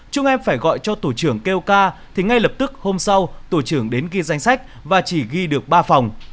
chúng em phải gọi cho tổ trưởng kêu ca thì ngay lập tức hôm sau tổ trưởng đến ghi danh sách và chỉ ghi được ba phòng